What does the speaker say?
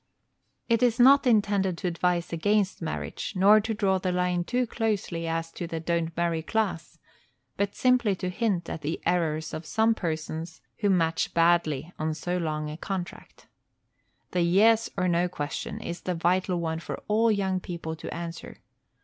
It is not intended to advise against marriage, nor to draw the line too closely as to the don't marry class, but simply to hint at the errors of some persons who match badly on so long a contract. The "yes or no" question is the vital one for all young people to answer.